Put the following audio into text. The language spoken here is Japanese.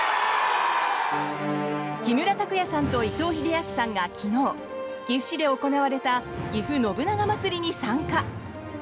木村拓哉さんと伊藤英明さんが昨日岐阜市で行われたぎふ信長まつりに参加！